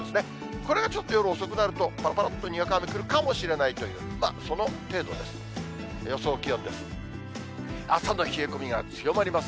これがちょっと夜遅くなると、ぱらぱらっとにわか雨来るかもしれないという、その程度です。